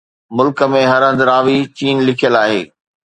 ملڪ ۾ هر هنڌ راوي چين لکيل آهي.